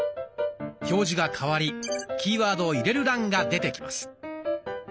表示が変わりキーワードを入れる欄が出てきます。